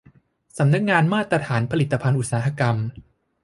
สำนักงานมาตรฐานผลิตภัณฑ์อุตสาหกรรม